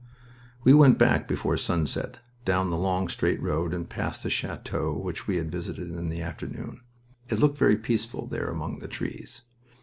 We went back before sunset, down the long straight road, and past the chateau which we had visited in the afternoon. It looked very peaceful there among the trees.